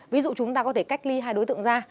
ví dụ chúng ta có thể cách ly hai đối tượng ra